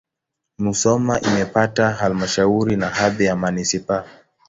Musoma imepata halmashauri na hadhi ya manisipaa.